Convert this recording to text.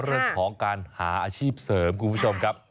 เรื่องของการหาอาชีพเสริมคุณผู้ชมครับ